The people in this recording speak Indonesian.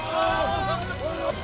assalamualaikum warahmatullahi wabarakatuh